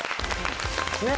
ねっ！